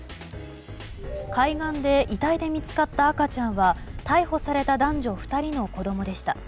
海岸で遺体で見つかった赤ちゃんは逮捕された男女２人の子供でした。